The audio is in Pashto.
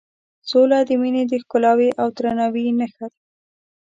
سوله د مینې د ښکلایې او درناوي نښه ده.